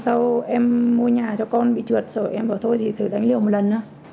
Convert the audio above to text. sau em mua nhà cho con bị trượt rồi em bảo thôi thì thử đánh liều một lần